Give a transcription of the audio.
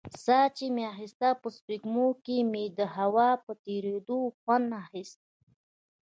ساه چې مې اخيستله په سپږمو کښې مې د هوا په تېرېدو خوند اخيست.